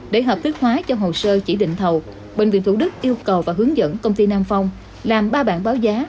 để hợp thức hóa cho hồ sơ chỉ định thầu bệnh viện thủ đức yêu cầu và hướng dẫn công ty nam phong làm ba bản báo giá